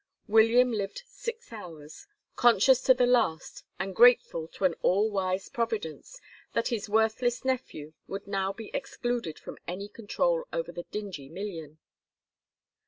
William lived six hours, conscious to the last and grateful to an all wise Providence that his worthless nephew would now be excluded from any control over the Dingee million.